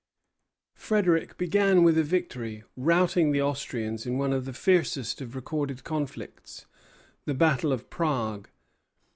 Frederic began with a victory, routing the Austrians in one of the fiercest of recorded conflicts, the battle of Prague.